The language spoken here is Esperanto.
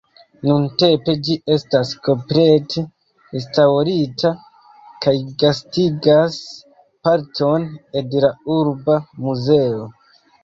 Nuntempe ĝi estas komplete restaŭrita kaj gastigas parton ed la urba muzeo.